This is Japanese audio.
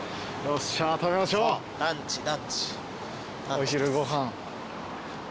お昼ご飯。